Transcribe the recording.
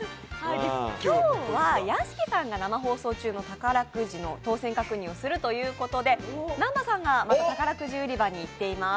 今日は屋敷さんが生放送中の宝くじの当選確認をするということで南波さんがまた、宝くじ売り場に行っています。